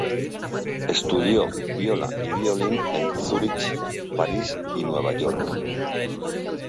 Estudió viola y violin en Zürich, París y Nueva York.